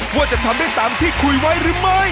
ว่าจะทำได้ตามที่คุยไว้หรือไม่